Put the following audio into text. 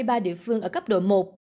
và ba xã phường ở cấp độ một